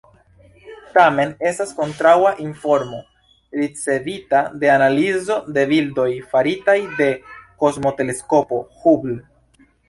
Tamen estas kontraŭa informo, ricevita de analizo de bildoj faritaj de Kosmoteleskopo Hubble.